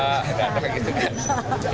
gak ada kayak gitu kan